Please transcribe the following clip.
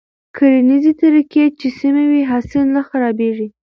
کرنيزې طريقې چې سمې وي، حاصل نه خرابېږي.